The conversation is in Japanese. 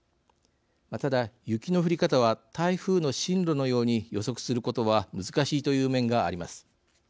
ただ雪の降り方は台風の進路のように予測することは難しいという面があります。